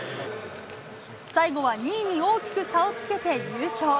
最後は２位に大きく差をつけて優勝。